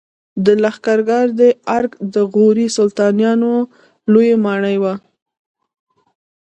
د لښکرګاه د ارک د غوري سلطانانو لوی ماڼۍ وه